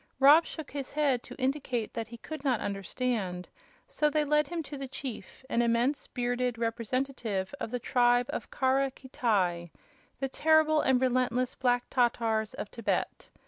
Rob shook his head to indicate that he could not understand; so they led him to the chief an immense, bearded representative of the tribe of Kara Khitai, the terrible and relentless Black Tatars of Thibet.